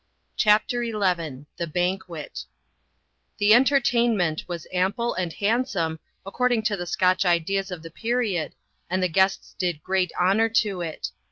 CHAPTER XI THE BANQUET The entertainment was ample and handsome, according to the Scotch ideas of the period, and the guests did great honour to it.